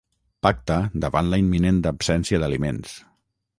Pacta davant la imminent absència d'aliments.